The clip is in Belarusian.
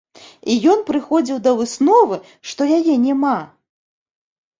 І ён прыходзіў да высновы, што яе няма.